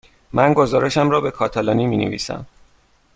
من گزارشم را به کاتالانی می نویسم.